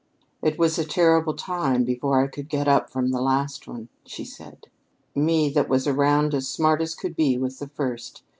"It was a terrible time before I could get up from the last one," she said, "me that was around as smart as could be with the first.